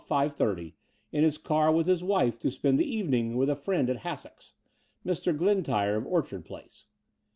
30, in his car with his wife to spend the evening with a friend at Hassocks — Mr. Glentyre of Orchard Place.